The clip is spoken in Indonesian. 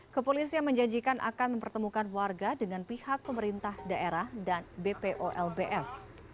kepolisian menjanjikan akan mempertemukan warga dengan pihak pemerintah daerah dan bpo lbf